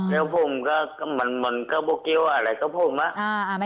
แล้วผมก็เหมือนกับพวกเกี๊ยวอะไรก็พูดมา